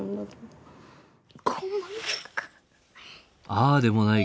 ああでもない